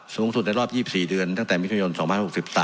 สูงสุดในรอบ๒๔เดือนตั้งแต่มิถุนายน๒๐๖๓